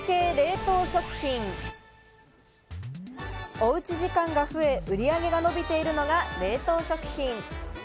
おうち時間が増え、売上が伸びているのが冷凍食品。